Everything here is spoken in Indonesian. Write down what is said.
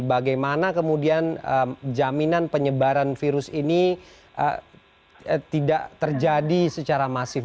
bagaimana kemudian jaminan penyebaran virus ini tidak terjadi secara masif